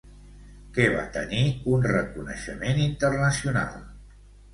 Què va tenir un reconeixement internacional?